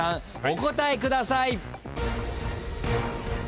お答えください。